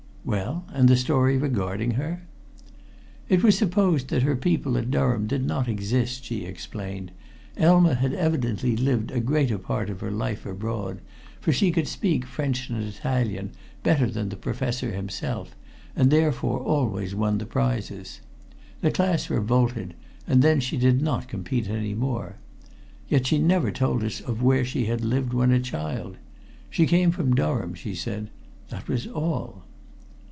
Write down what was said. "Well and the story regarding her?" "It was supposed that her people at Durham did not exist," she explained. "Elma had evidently lived a greater part of her life abroad, for she could speak French and Italian better than the professor himself, and therefore always won the prizes. The class revolted, and then she did not compete any more. Yet she never told us of where she had lived when a child. She came from Durham, she said that was all."